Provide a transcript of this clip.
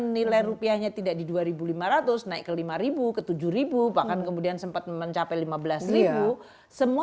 nilai rupiahnya tidak di dua ribu lima ratus naik ke lima ribu ke tujuh ribu bahkan kemudian sempat mencapai lima belas semua